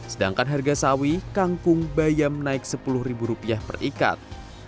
sedangkan harga sawi kangkung bayam naik rp sepuluh per ikat